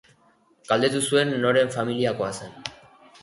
Galdetu zuen noren familiakoa zen.